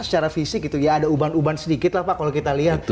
secara fisik itu ya ada ubahan ubahan sedikit lah pak kalau kita lihat